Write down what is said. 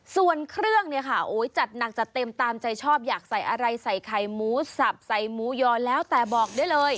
ส่วนเครื่องเนี่ยค่ะโอ้ยจัดหนักจัดเต็มตามใจชอบอยากใส่อะไรใส่ไข่หมูสับใส่หมูยอแล้วแต่บอกได้เลย